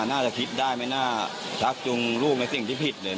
น่าจะคิดได้ไม่น่าชักจุงลูกในสิ่งที่ผิดเลย